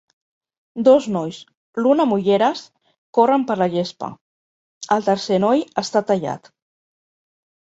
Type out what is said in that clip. Dos nois, l'un amb ulleres, corren per la gespa. El tercer noi està tallat